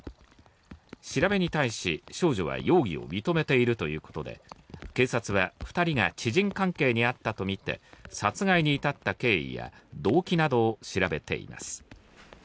調べに対し、少女は容疑を認めているということで警察は２人が知人関係にあったとみて殺害に至った経緯や動機などを調べています。